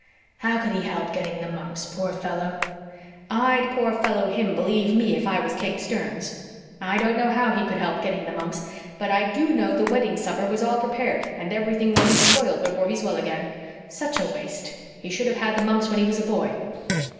"How could he help getting the mumps, poor fellow?" "I'd poor fellow him, believe ME, if I was Kate Sterns. I don't know how he could help getting the mumps, but I DO know the wedding supper was all prepared and everything will be spoiled before he's well again. Such a waste! He should have had the mumps when he was a boy."